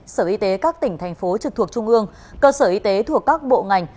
sở y tế các tỉnh thành phố trực thuộc trung ương cơ sở y tế thuộc các bộ ngành